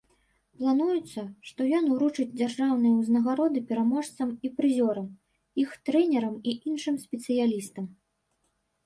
Плануецца, што ён уручыць дзяржаўныя ўзнагароды пераможцам і прызёрам, іх трэнерам і іншым спецыялістам.